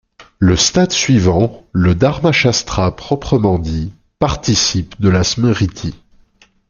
Le stade suivant, le Dharmashastra proprement dit, participe de la smriti.